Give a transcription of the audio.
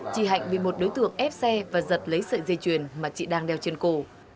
chị hạnh bị một đối tượng ép xe và giật lấy sợi dây chuyền mà chị đang đeo trên cổ